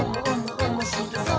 おもしろそう！」